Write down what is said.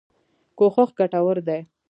کوښښ ګټور دی.